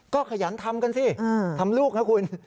ก็ขยันทำกันสิทำลูกนะคุณ